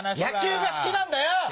野球が好きなんだよ！